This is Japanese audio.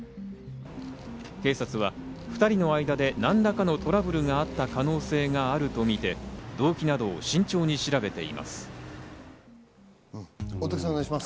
警察は２人の間で何らかのトラブルがあった可能性があるとみて、大竹さん、お願いします。